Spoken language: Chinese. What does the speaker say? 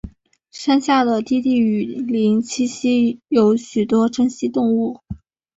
山下的低地雨林栖息有许多珍稀动物。